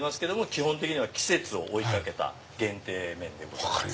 基本的には季節を追いかけた限定メニューでございます。